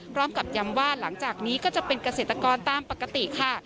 พร้อมกับย้ำว่าหลังจากนี้ก็จะเป็นเกษตรกรตามปกติค่ะ